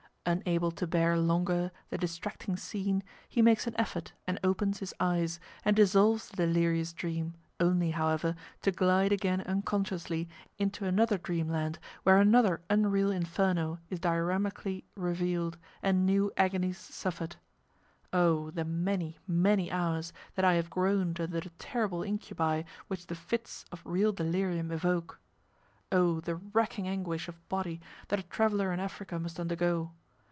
Unable to bear longer the distracting scene, he makes an effort and opens, his eyes, and dissolves the delirious dream, only, however, to glide again unconsciously into another dream land where another unreal inferno is dioramically revealed, and new agonies suffered. Oh! the many many hours, that I have groaned under the terrible incubi which the fits of real delirium evoke. Oh! the racking anguish of body that a traveller in Africa must undergo!